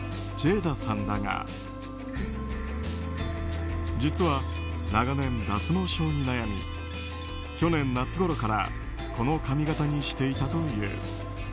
ジェイダさんだが実は長年、脱毛症に悩み去年夏ごろからこの髪型にしていたという。